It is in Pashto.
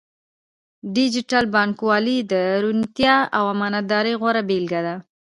ډیجیټل بانکوالي د روڼتیا او امانتدارۍ غوره بیلګه ده.